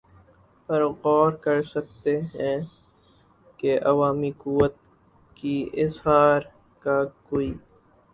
پر غور کر سکتے ہیں کہ عوامی قوت کے اظہار کا کوئی